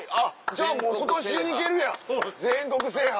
じゃあもう今年中に行けるやん全国制覇。